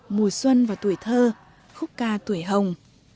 mùa xuân và tuổi thơ khúc ca tuổi hồng